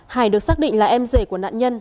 hải được xác định là em rể của nạn nhân